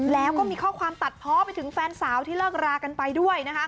แล้วก็มีข้อความตัดเพาะไปถึงแฟนสาวที่เลิกรากันไปด้วย